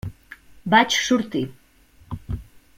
Vaig sortir.